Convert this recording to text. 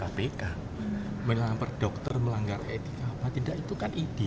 menampar dokter melanggar etik dari kedokteran yang menilai avokat melanggar kode etik itu kan beban kehormatan bukan kpk